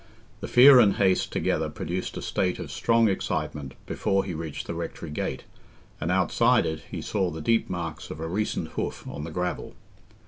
The fear and haste together produced a state of strong excitement before he reached the rectory gate, and outside it he saw the deep marks of a recent hoof on the gravel.